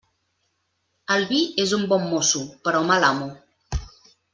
El vi és un bon mosso, però mal amo.